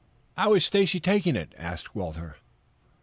"How is Stacy taking it?" asked Walter.